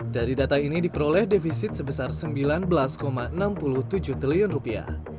dari data ini diperoleh defisit sebesar sembilan belas enam puluh tujuh triliun rupiah